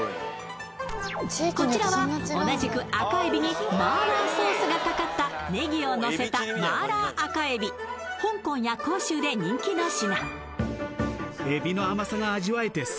こちらは同じく赤えびにマーラーソースがかかったねぎをのせたマーラー赤えび、香港や広州で人気の品。